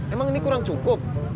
emang ini kurang cukup